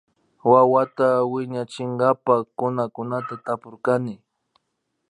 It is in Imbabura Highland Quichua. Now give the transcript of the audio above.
Wawata wiñachinkapa kunakunata tapurkani